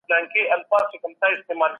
پر انسانانو حکومت کول څه مانا لري؟